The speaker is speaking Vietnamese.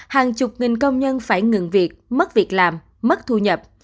hàng chục nghìn công nhân phải ngừng việc mất việc làm mất thu nhập